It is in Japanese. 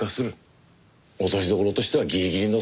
落としどころとしてはギリギリの線だ。